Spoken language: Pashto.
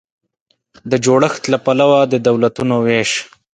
د جوړښت له پلوه د دولتونو وېش